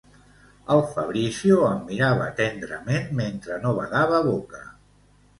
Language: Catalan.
El Fabrizio em mirava tendrament mentre no badava boca.